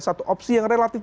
satu opsi yang relatif